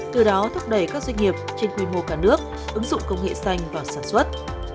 từ đó thúc đẩy các doanh nghiệp trên quy mô cả nước ứng dụng công nghệ xanh vào sản xuất